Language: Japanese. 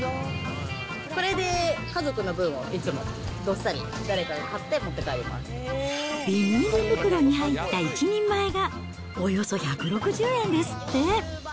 これで家族の分をいつもどっさり、ビニール袋に入った１人前が、およそ１６０円ですって。